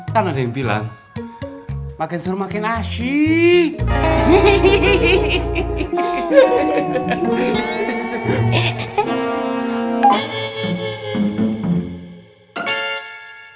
kan ada yang bilang makin suruh makin asyik